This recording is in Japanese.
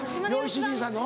七兄さんの。